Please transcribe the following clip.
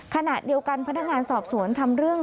ขณะเดียวกันพนักงานสอบสวนทำเรื่อง